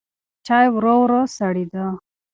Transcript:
چای ورو ورو سړېده.